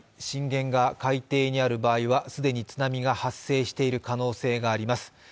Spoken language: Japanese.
震源が海底にある場合は、既に津波が発生している可能性があります。